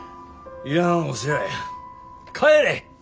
いらんお世話や帰れ！